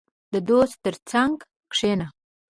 • د دوست تر څنګ کښېنه.